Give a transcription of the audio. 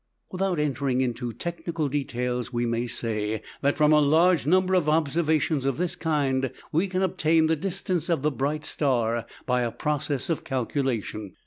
Without entering into technical details, we may say that from a large number of observations of this kind, we can obtain the distance of the bright star by a process of calculation.